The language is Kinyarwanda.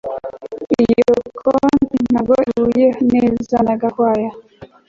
Iyo koti ntabwo ihuye neza na Gakwaya